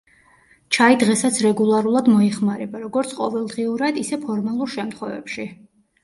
ჩაი დღესაც რეგულარულად მოიხმარება, როგორც ყოველდღიურად ისე ფორმალურ შემთხვევებში.